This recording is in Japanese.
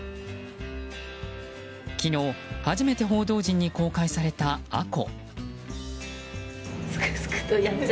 昨日、初めて報道陣に公開された杏香。